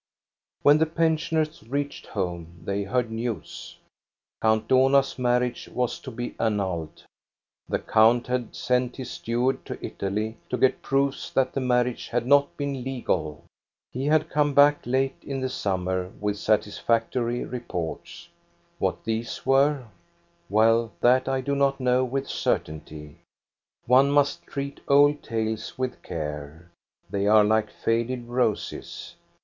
When the pensioners reached home they heard news. Count Dohna's marriage was to be annulled. The count had sent his steward to Italy to get proofs that the marriage had not been legal. He had come back late in the summer with satisfactory reports. What these were, — well, that I do not know with cer tainty. One must treat old tales with care ; they are like faded roses.